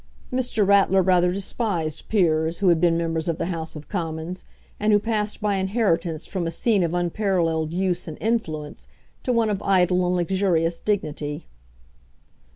Mr. Ratler rather despised peers who had been members of the House of Commons, and who passed by inheritance from a scene of unparalleled use and influence to one of idle and luxurious dignity.